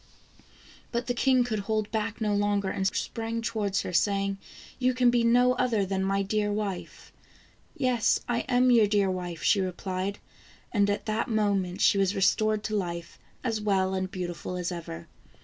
But the king could hold back no longer, and sprang to wards her, saying: " You can be no other than my dear wife !"" Yes, I am your dear wife," she replied, and at that moment she was restored to life, as well and beautiful as ever.